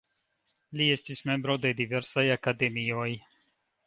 Li estis membro de diversaj akademioj.